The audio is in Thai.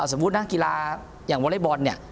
สมมุตินักกีฬาอย่างวอเล็กบอลเนี่ย